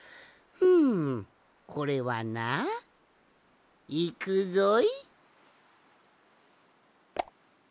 んこれはないくぞい。